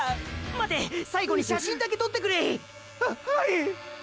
まて最後に写真だけ撮ってくれ！ははいッ！